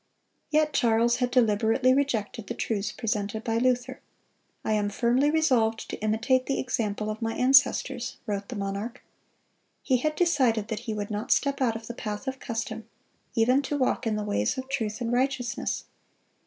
(226) Yet Charles had deliberately rejected the truths presented by Luther. "I am firmly resolved to imitate the example of my ancestors,"(227) wrote the monarch. He had decided that he would not step out of the path of custom, even to walk in the ways of truth and righteousness.